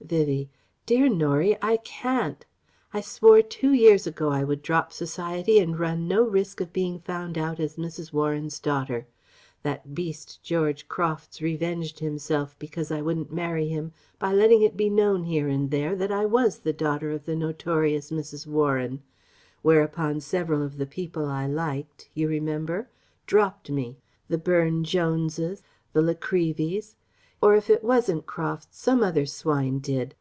Vivie: "Dear Norie I can't. I swore two years ago I would drop Society and run no risk of being found out as 'Mrs. Warren's daughter.' That beast George Crofts revenged himself because I wouldn't marry him by letting it be known here and there that I was the daughter of the 'notorious Mrs. Warren'; whereupon several of the people I liked you remember? dropped me the Burne Joneses, the Lacrevys. Or if it wasn't Crofts some other swine did.